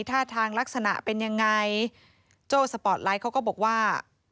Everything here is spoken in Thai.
ท่าทางลักษณะเป็นยังไงโจ้สปอร์ตไลท์เขาก็บอกว่า